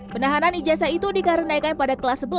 penahanan ijazah itu dikarenakan pada kelas sebelas